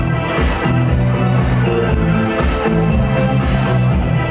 ไม่ต้องถามไม่ต้องถาม